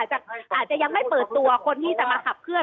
อาจจะยังไม่เปิดตัวคนที่จะมาขับเคลื